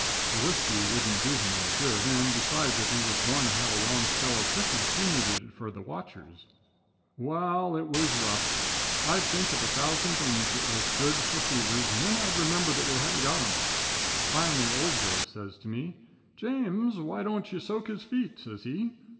The whiskey wouldn't do him any good, and, besides, if he was goin' to have a long spell of sickness we needed it for the watchers. [Illustration: MAKING USE OF A DUDE.] "Wa'al, it was rough. I'd think of a thousand things that was good fur fevers, and then I'd remember that we hadn't got 'em. Finally old Joe says to me, 'James, why don't ye soak his feet?' says he.